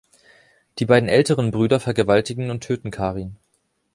Die beiden älteren Brüder vergewaltigen und töten Karin.